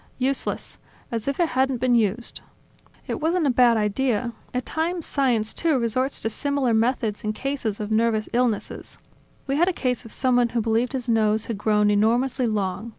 "Useless. As if it hadn't been used." "It wasn't a bad idea. At times science, too, resorts to similar methods in cases of nervous illness. We had a case of someone who believed his nose had grown enormously long.